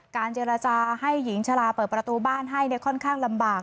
เจรจาให้หญิงชะลาเปิดประตูบ้านให้ค่อนข้างลำบาก